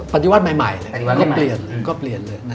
ปฏิวัติใหม่ก็เปลี่ยนเลย